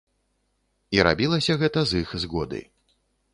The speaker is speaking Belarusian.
І рабілася гэта з іх згоды.